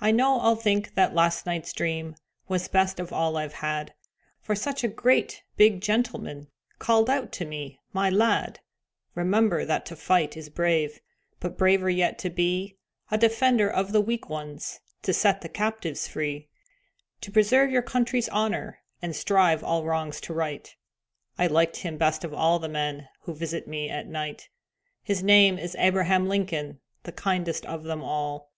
I know I'll think that last night's dream Was best of all I've had, For such a great, big gentleman Called out to me, "My lad, Remember that to fight is brave, But braver yet to be A defender of the weak ones, To set the captives free, To preserve your country's honor, And strive all wrongs to right." I liked him best of all the men Who visit me at night. His name is Abraham Lincoln, The kindest of them all.